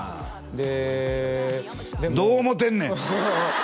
ででもどう思ってんねん！